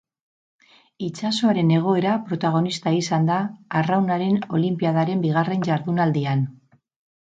Itsasoaren egoera protagonista izan da arraunaren olinpiadaren bigarren jardunaldian.